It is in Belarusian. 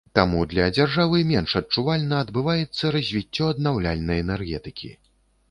Таму для дзяржавы менш адчувальна адбываецца развіццё аднаўляльнай энергетыкі.